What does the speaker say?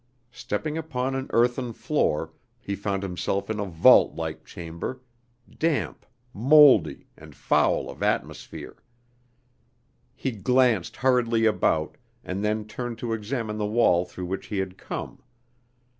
Stepping upon an earthern floor, he found himself in a vault like chamber damp, mouldy, and foul of atmosphere. He glanced hurriedly about, and then turned to examine the wall through which he had come.